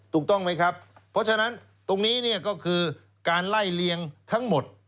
ถูกต้องไหมครับเพราะฉะนั้นตรงนี้เนี่ยก็คือการไล่เลี้ยงทั้งหมด